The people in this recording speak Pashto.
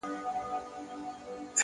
اراده د ستونزو تر ټولو لنډه لاره لنډوي!.